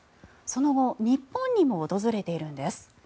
その後日本にも訪れているんです。